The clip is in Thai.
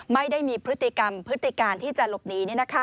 ไม่ได้มีพฤติกรรมพฤติการที่จะหลบหนี